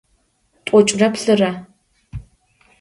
T'oç'ıre plh'ıre.